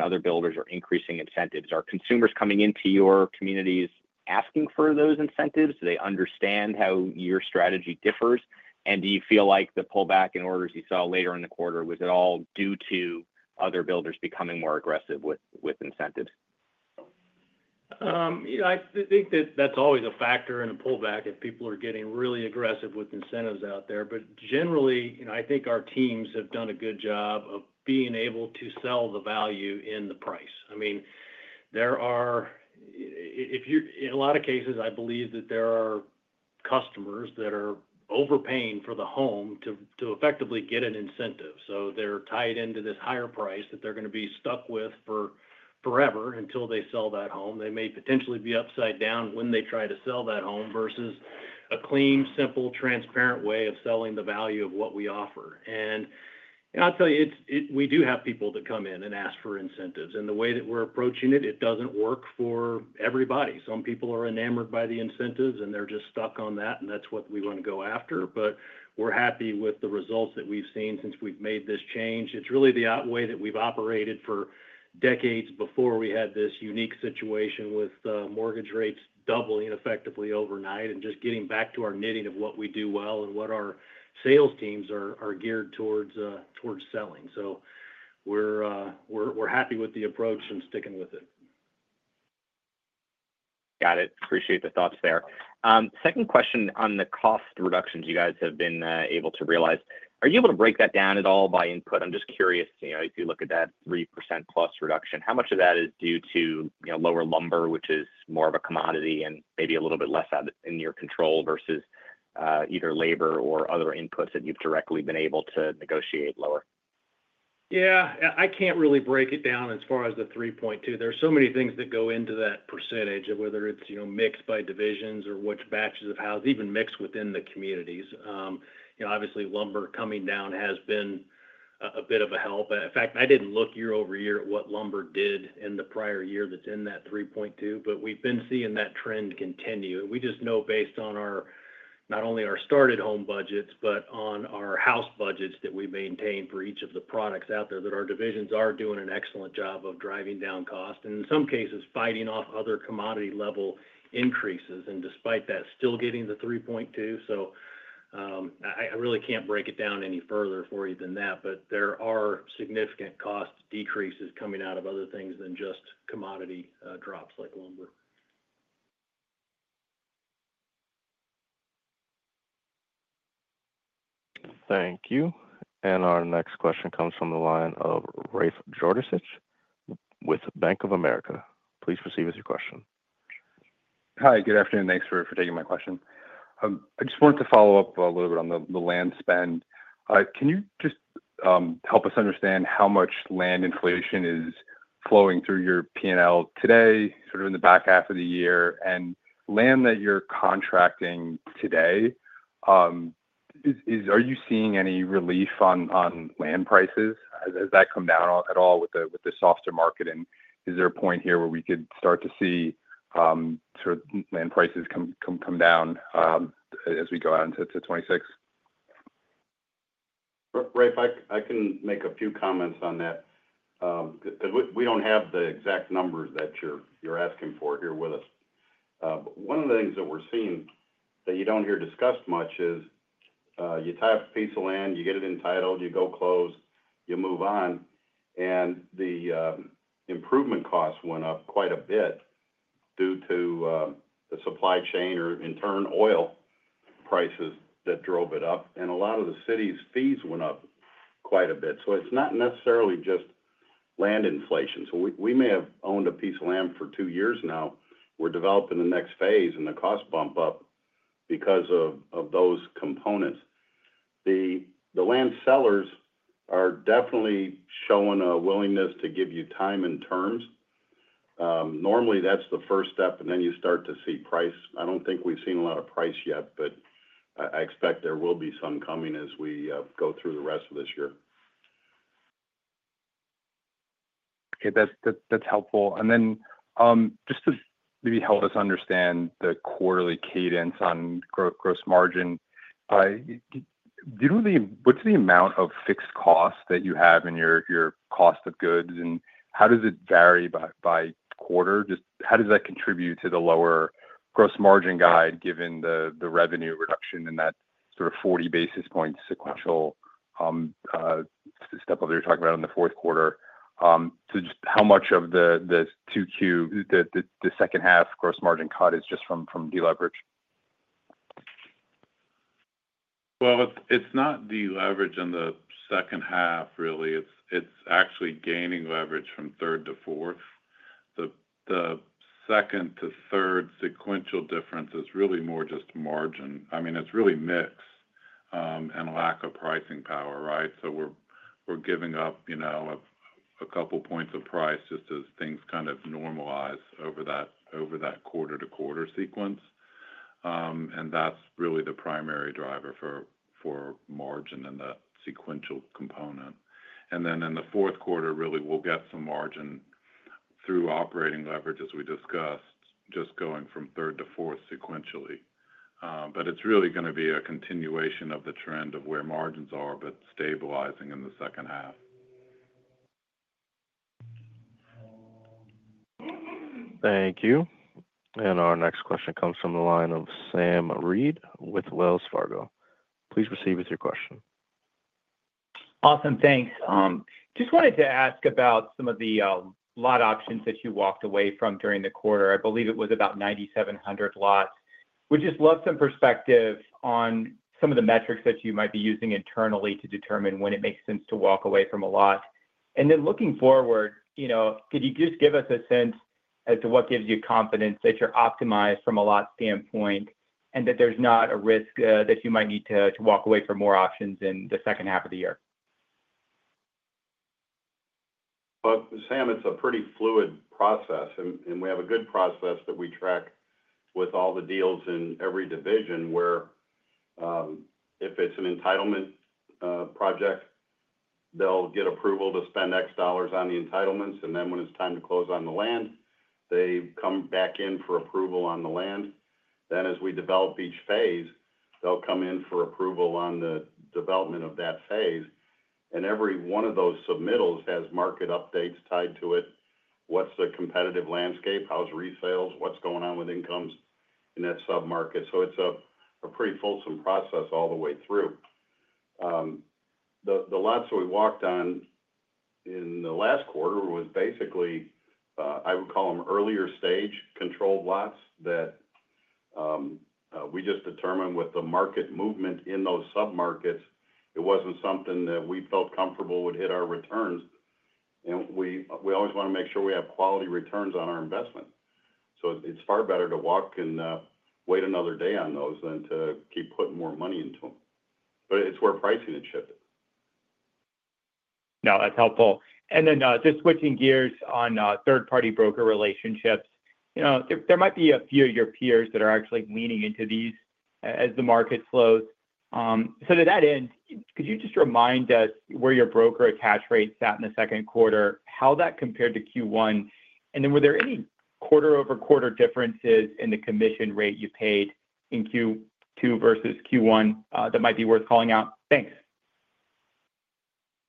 other builders are increasing incentives? Are consumers coming into your communities asking for those incentives? Do they understand how your strategy differs? Do you feel like the pullback in orders you saw later in the quarter, was it all due to other builders becoming more aggressive with incentives? I think that that's always a factor in a pullback if people are getting really aggressive with incentives out there. Generally, I think our teams have done a good job of being able to sell the value in the price. I mean, in a lot of cases, I believe that there are customers that are overpaying for the home to effectively get an incentive. They are tied into this higher price that they are going to be stuck with forever until they sell that home. They may potentially be upside down when they try to sell that home versus a clean, simple, transparent way of selling the value of what we offer. I'll tell you, we do have people that come in and ask for incentives. The way that we are approaching it, it does not work for everybody. Some people are enamored by the incentives, and they're just stuck on that, and that's what we want to go after. We're happy with the results that we've seen since we've made this change. It's really the way that we've operated for decades before we had this unique situation with mortgage rates doubling effectively overnight and just getting back to our knitting of what we do well and what our sales teams are geared towards selling. We're happy with the approach and sticking with it. Got it. Appreciate the thoughts there. 2nd question on the cost reductions you guys have been able to realize. Are you able to break that down at all by input? I'm just curious, if you look at that 3%+ reduction, how much of that is due to lower lumber, which is more of a commodity and maybe a little bit less in your control versus either labor or other inputs that you've directly been able to negotiate lower? Yeah. I can't really break it down as far as the 3.2%. There's so many things that go into that percentage of whether it's mix by divisions or which batches of housing, even mix within the communities. Obviously, lumber coming down has been a bit of a help. In fact, I didn't look year over year at what lumber did in the prior year that's in that 3.2%, but we've been seeing that trend continue. We just know based on not only our started home budgets, but on our house budgets that we maintain for each of the products out there that our divisions are doing an excellent job of driving down cost and, in some cases, fighting off other commodity-level increases. Despite that, still getting the 3.2%. I really can't break it down any further for you than that, but there are significant cost decreases coming out of other things than just commodity drops like lumber. Thank you. Our next question comes from the line of Rafe Jadrosich with Bank of America. Please proceed with your question. Hi, good afternoon. Thanks for taking my question. I just wanted to follow up a little bit on the land spend. Can you just help us understand how much land inflation is flowing through your P&L today, sort of in the back half of the year? Land that you're contracting today, are you seeing any relief on land prices? Has that come down at all with the softer market? Is there a point here where we could start to see sort of land prices come down as we go on to 2026? Rafe, I can make a few comments on that because we do not have the exact numbers that you are asking for here with us. One of the things that we are seeing that you do not hear discussed much is you tie up a piece of land, you get it entitled, you go close, you move on, and the improvement costs went up quite a bit due to the supply chain or, in turn, oil prices that drove it up. A lot of the city's fees went up quite a bit. It is not necessarily just land inflation. We may have owned a piece of land for two years now. We are developing the next phase, and the costs bump up because of those components. The land sellers are definitely showing a willingness to give you time and terms. Normally, that is the first step, and then you start to see price. I don't think we've seen a lot of price yet, but I expect there will be some coming as we go through the rest of this year. Okay. That's helpful. Just to maybe help us understand the quarterly cadence on gross margin, what's the amount of fixed costs that you have in your cost of goods, and how does it vary by quarter? Just how does that contribute to the lower gross margin guide given the revenue reduction and that sort of 40 basis point sequential step up that you're talking about in the 4th quarter? Just how much of the second-half gross margin cut is just from deleverage? It's not deleverage in the 2nd half, really. It's actually gaining leverage from 3rd to 4th. The second to third sequential difference is really more just margin. I mean, it's really mix and lack of pricing power, right? We're giving up a couple of points of price just as things kind of normalize over that quarter-to-quarter sequence. That's really the primary driver for margin and the sequential component. In the 4th quarter, really, we'll get some margin through operating leverage, as we discussed, just going from 3rd to ith sequentially. It's really going to be a continuation of the trend of where margins are but stabilizing in the second half. Thank you. Our next question comes from the line of Sam Reid with Wells Fargo. Please proceed with your question. Awesome. Thanks. Just wanted to ask about some of the lot options that you walked away from during the quarter. I believe it was about 9,700 lots. We'd just love some perspective on some of the metrics that you might be using internally to determine when it makes sense to walk away from a lot. Looking forward, could you just give us a sense as to what gives you confidence that you're optimized from a lot standpoint and that there's not a risk that you might need to walk away from more options in the 2nd half of the year? Sam, it's a pretty fluid process. We have a good process that we track with all the deals in every division where if it's an entitlement project, they'll get approval to spend X dollars on the entitlements. When it's time to close on the land, they come back in for approval on the land. As we develop each phase, they'll come in for approval on the development of that phase. Every one of those submittals has market updates tied to it. What's the competitive landscape? How are resales? What's going on with incomes in that submarket? It's a pretty fulsome process all the way through. The lots that we walked on in the last quarter were basically, I would call them earlier-stage controlled lots that we just determined with the market movement in those submarkets. It was not something that we felt comfortable would hit our returns. We always want to make sure we have quality returns on our investment. It is far better to walk and wait another day on those than to keep putting more money into them. It is where pricing has shifted. No, that's helpful. And then just switching gears on third-party broker relationships, there might be a few of your peers that are actually leaning into these as the market slows. To that end, could you just remind us where your broker attach rates sat in the second quarter, how that compared to Q1? Were there any quarter-over-quarter differences in the commission rate you paid in Q2 versus Q1 that might be worth calling out? Thanks.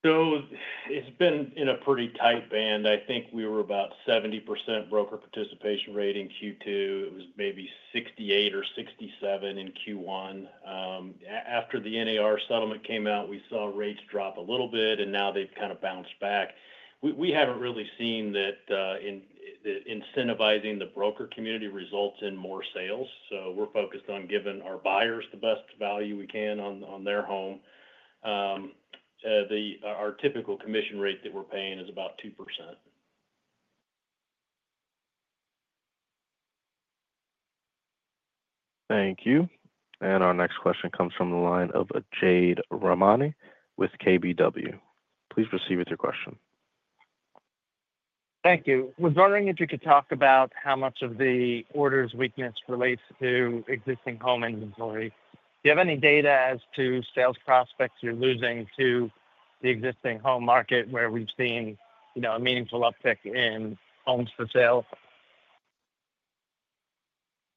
It's been in a pretty tight band. I think we were about 70% broker participation rate in Q2. It was maybe 68% or 67% in Q1. After the NAR settlement came out, we saw rates drop a little bit, and now they've kind of bounced back. We haven't really seen that incentivizing the broker community results in more sales. We're focused on giving our buyers the best value we can on their home. Our typical commission rate that we're paying is about 2%. Thank you. Our next question comes from the line of Jade Rahmani with KBW. Please proceed with your question. Thank you. Was wondering if you could talk about how much of the orders weakness relates to existing home inventory. Do you have any data as to sales prospects you're losing to the existing home market where we've seen a meaningful uptick in homes for sale?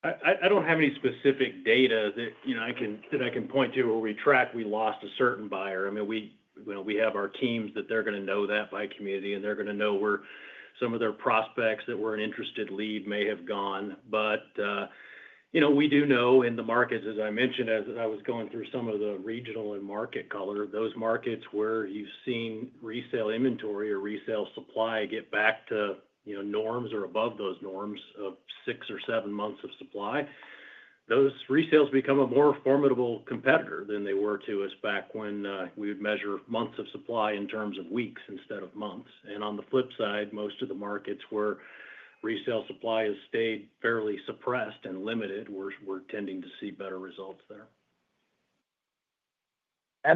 I do not have any specific data that I can point to where we track we lost a certain buyer. I mean, we have our teams that they are going to know that by community, and they are going to know where some of their prospects that were an interested lead may have gone. I do know in the markets, as I mentioned, as I was going through some of the regional and market color, those markets where you have seen resale inventory or resale supply get back to norms or above those norms of six or seven months of supply, those resales become a more formidable competitor than they were to us back when we would measure months of supply in terms of weeks instead of months. On the flip side, most of the markets where resale supply has stayed fairly suppressed and limited, we are tending to see better results there.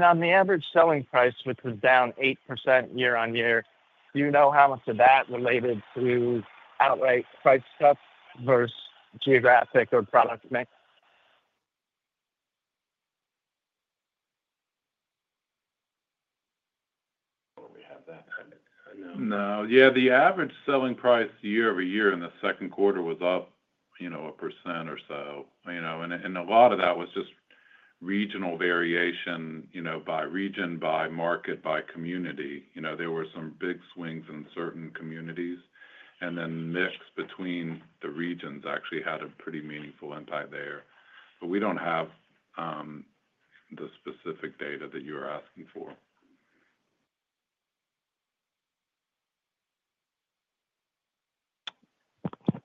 On the average selling price, which was down 8% year-on-year, do you know how much of that related to outright price cuts versus geographic or product mix? We have that. No. No. Yeah. The average selling price year-over-year in the second quarter was up a percent or so. A lot of that was just regional variation by region, by market, by community. There were some big swings in certain communities. The mix between the regions actually had a pretty meaningful impact there. We do not have the specific data that you are asking for.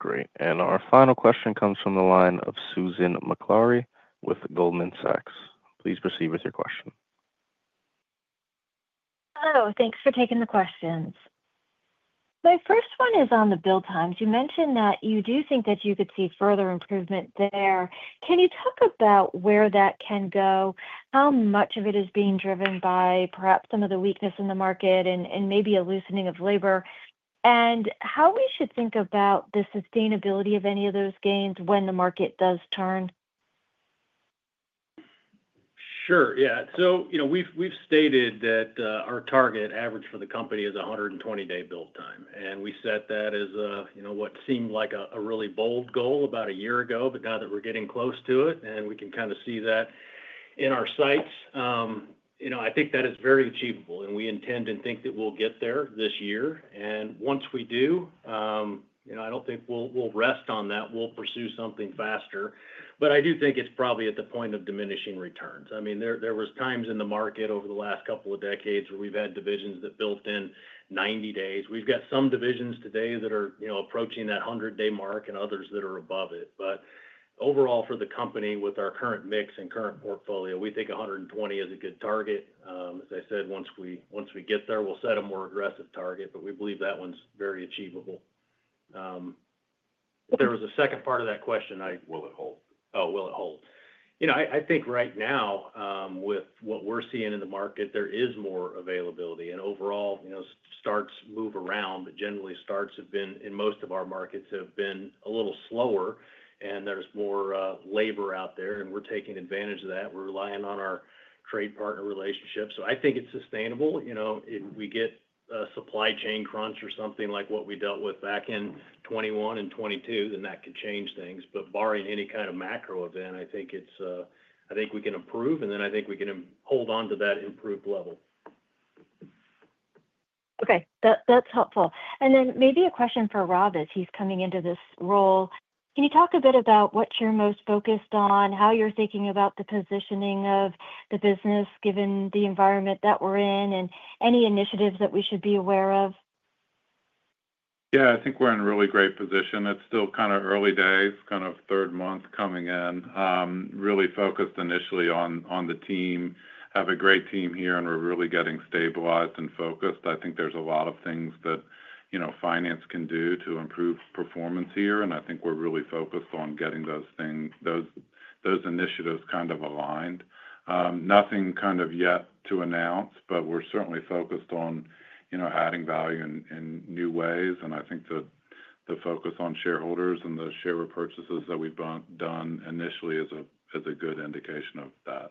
Great. Our final question comes from the line of Susan Maklari with Goldman Sachs. Please proceed with your question. Hello. Thanks for taking the questions. My 1st one is on the build times. You mentioned that you do think that you could see further improvement there. Can you talk about where that can go, how much of it is being driven by perhaps some of the weakness in the market and maybe a loosening of labor, and how we should think about the sustainability of any of those gains when the market does turn? Sure. Yeah. So we've stated that our target average for the company is 120-day build time. We set that as what seemed like a really bold goal about a year ago, but now that we're getting close to it, and we can kind of see that in our sights, I think that is very achievable. We intend and think that we'll get there this year. Once we do, I don't think we'll rest on that. We'll pursue something faster. I do think it's probably at the point of diminishing returns. I mean, there were times in the market over the last couple of decades where we've had divisions that built in 90 days. We've got some divisions today that are approaching that 100-day mark and others that are above it. Overall, for the company, with our current mix and current portfolio, we think 120 is a good target. As I said, once we get there, we'll set a more aggressive target, but we believe that one's very achievable. If there was a second part of that question, I—will it hold? Oh, will it hold? I think right now, with what we're seeing in the market, there is more availability. Overall, starts move around, but generally, starts have been in most of our markets have been a little slower, and there's more labor out there. We're taking advantage of that. We're relying on our trade partner relationship. I think it's sustainable. If we get a supply chain crunch or something like what we dealt with back in 2021 and 2022, that could change things. Barring any kind of macro event, I think we can improve. I think we can hold on to that improved level. Okay. That's helpful. Maybe a question for Rob as he's coming into this role. Can you talk a bit about what you're most focused on, how you're thinking about the positioning of the business given the environment that we're in, and any initiatives that we should be aware of? Yeah. I think we're in a really great position. It's still kind of early days, kind of third month coming in. Really focused initially on the team. Have a great team here, and we're really getting stabilized and focused. I think there's a lot of things that finance can do to improve performance here. I think we're really focused on getting those initiatives kind of aligned. Nothing kind of yet to announce, but we're certainly focused on adding value in new ways. I think the focus on shareholders and the share repurchases that we've done initially is a good indication of that.